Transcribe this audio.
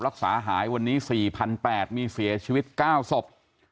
รักษาหายวันนี้๔๘๐๐มีเสียชีวิต๙ศพ